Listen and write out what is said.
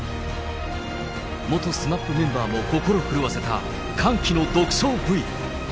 元ＳＭＡＰメンバーも心震わせた歓喜の独走Ｖ。